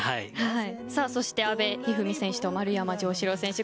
そして阿部一二三選手と丸山城志郎選手